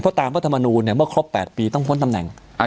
เพราะตามรัฐธรรมนูญว่าครบ๘ปีต้องพ้นตำแหน่ง